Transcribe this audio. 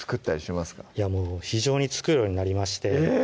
もう非常に作るようになりましてえっ！